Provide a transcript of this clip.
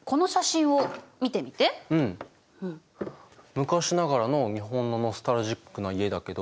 昔ながらの日本のノスタルジックな家だけど。